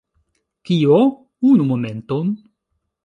Kio? Unu momenton